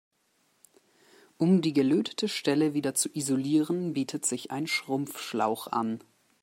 Um die gelötete Stelle wieder zu isolieren, bietet sich ein Schrumpfschlauch an.